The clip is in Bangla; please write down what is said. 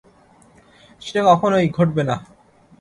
সেটা কখনই ঘটবে না।